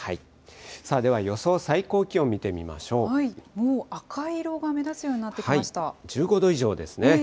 では予想最高気温見てみまし赤色が目立つようになってき１５度以上ですね。